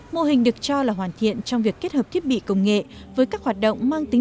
mô hình được cho là hoàn thiện trong việc kết hợp thiết bị công nghệ với các hoạt động mang tính